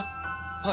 はい。